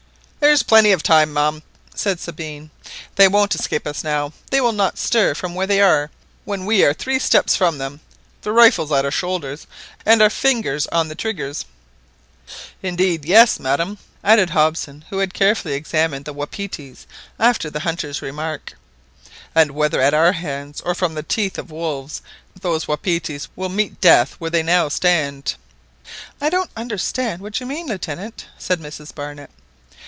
"There's plenty of time, ma'am," said Sabine; "they won't escape us now. They will not stir from where they are when we are three steps from them, the rifles at our shoulders, and our fingers on the triggers !" Indeed? Yes, madam," added Hobson, who had carefully examined the wapitis after the hunter's remark; "and whether at our hands or from the teeth of wolves, those wapitis will meet death where they now stand." "I don't understand what you mean, Lieutenant," said Mrs Barnett.